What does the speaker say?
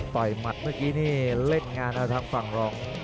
ต่อยมัดเมื่อกี้เนี่ยเล่นงานทางฝั่งรอง